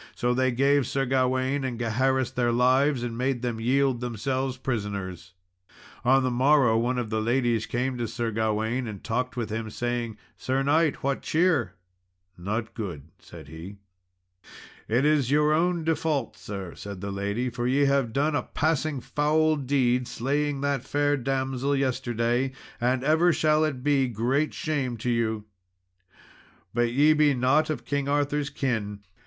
So they gave Sir Gawain and Gaheris their lives, and made them yield themselves prisoners. On the morrow, came one of the ladies to Sir Gawain, and talked with him, saying, "Sir knight, what cheer?" "Not good," said he. "It is your own default, sir," said the lady, "for ye have done a passing foul deed in slaying that fair damsel yesterday and ever shall it be great shame to you. But ye be not of King Arthur's kin."